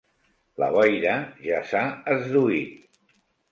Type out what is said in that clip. La boira ja s'ha esduït.